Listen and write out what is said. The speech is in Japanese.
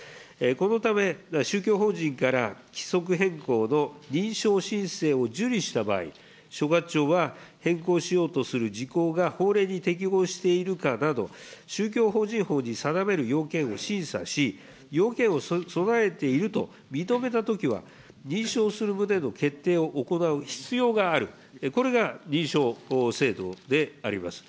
このため、宗教法人から規則変更の認証申請を受理した場合、所轄庁は変更しようとする事項が法令に適合しているかなど、宗教法人法に定める要件を審査し、要件を備えていると認めたときは、認証する旨の決定を行う必要がある、これが認証制度であります。